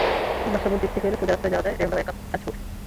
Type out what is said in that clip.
বাসাবোর দিক থেকে এলে সোজা রাস্তায় যাওয়া যায় ডেমরা হয়ে কাঁচপুর।